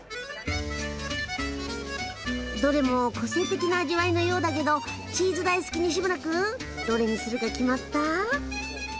どれも個性的な味わいのようだけどチーズ大好き西村君どれにするか決まった？